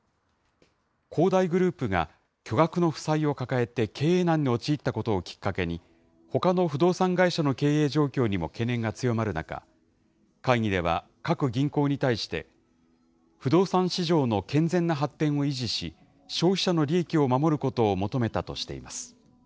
恒大グループが巨額の負債を抱えて、経営難に陥ったことをきっかけに、ほかの不動産会社の経営状況にも懸念が強まる中、会議では、各銀行に対して、不動産市場の健全な発展を維持し、消費者の利益を守ることを求めたとしています。